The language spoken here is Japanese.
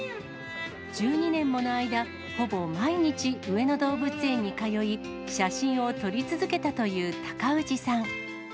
１２年もの間、ほぼ毎日、上野動物園に通い、写真を撮り続けたという高氏さん。